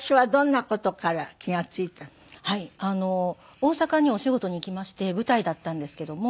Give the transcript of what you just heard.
大阪にお仕事に行きまして舞台だったんですけども。